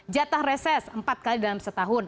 jatah reses empat kali dalam setahun